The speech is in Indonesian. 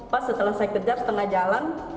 pas setelah saya kejar setengah jalan